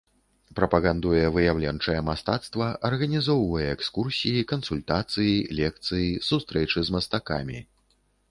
Прапагандуе выяўленчае мастацтва, арганізоўвае экскурсіі, кансультацыі, лекцыі, сустрэчы з мастакамі.